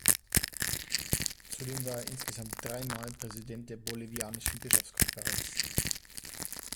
Zudem war er insgesamt dreimal Präsident der Bolivianischen Bischofskonferenz.